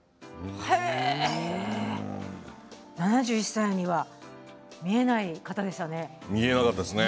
７１歳には見えない方でしたね。